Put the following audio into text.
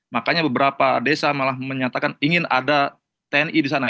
makanya beberapa desa malah menyatakan ingin ada tni di sana